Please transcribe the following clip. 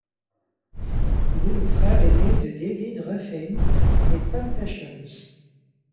Il est le frère aîné de David Ruffin des Temptations.